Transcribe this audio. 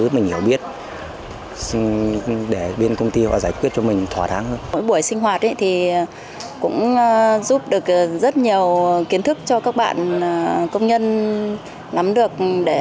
mỗi buổi sinh hoạt thì cũng giúp được rất nhiều kiến thức cho các bạn công nhân nắm được